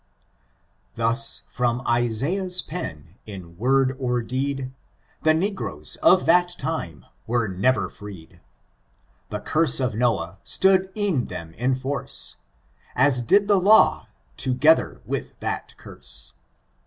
Thasi from Iiaiah'f pan, in word or deed. The negrroet of that time vera nerer freed : The cane of Noah, stood e'en then in force As did the Imw, together with that enne.